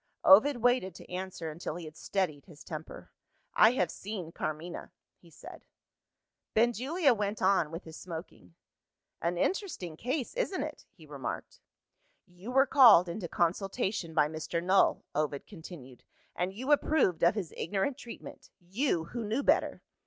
Ovid waited to answer until he had steadied his temper. "I have seen Carmina," he said. Benjulia went on with his smoking. "An interesting case, isn't it?" he remarked. "You were called into consultation by Mr. Null," Ovid continued; "and you approved of his ignorant treatment you, who knew better."